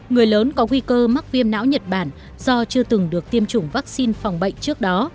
người lớn có nguy cơ mắc viêm não nhật bản do chưa từng được tiêm chủng vaccine phòng bệnh trước đó